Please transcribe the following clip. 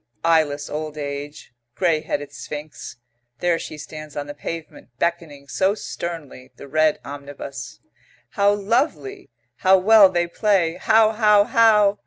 Eyeless old age, grey headed Sphinx.... There she stands on the pavement, beckoning, so sternly, the red omnibus. "How lovely! How well they play! How how how!"